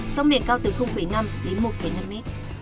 sóng biển cao từ năm đến một năm m